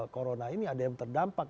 corona ini ada yang terdampak